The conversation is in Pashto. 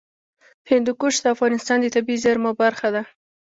هندوکش د افغانستان د طبیعي زیرمو برخه ده.